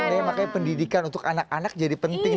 nah itu makanya pendidikan untuk anak anak jadi penting